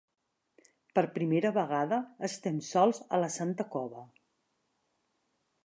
Per primera vegada estem sols a la Santa Cova.